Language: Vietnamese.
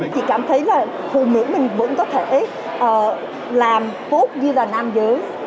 chị cảm thấy là phụ nữ mình vẫn có thể làm tốt như là nam giới